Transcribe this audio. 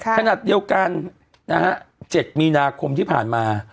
ขณะเดียวกันนะฮะ๗มีนาคมที่ผ่านมา